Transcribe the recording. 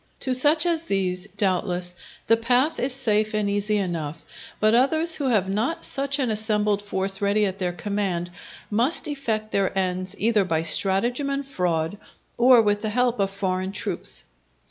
To such as these, doubtless, the path is safe and easy enough; but others who have not such an assembled force ready at their command, must effect their ends either by stratagem and fraud, or with the help of foreign troops.